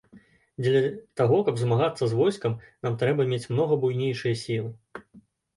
Дзеля таго, каб змагацца з войскам, нам трэба мець многа буйнейшыя сілы.